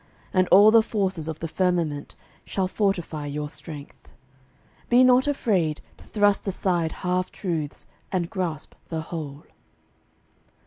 And all the forces of the firmament Shall fortify your strength. Be not afraid To thrust aside half truths and grasp the whole.